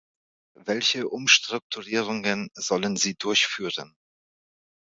Welche Umstrukturierungen sollen sie durchführen?